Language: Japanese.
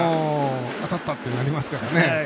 当たったってなりますからね。